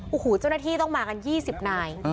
โอ้โหเจ้าหน้าที่ต้องมากัน๒๐นาย